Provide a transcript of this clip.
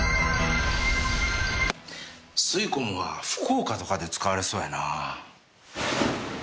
スイコムは福岡とかで使われそうやなぁ。